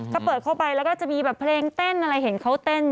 ก็เปิดเข้าไปแล้วก็จะมีแบบเพลงเต้นอะไรเห็นเขาเต้น